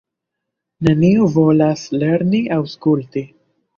Neniu volas lerni aŭskulti.